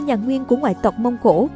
nhà nguyên của ngoại tộc mông cổ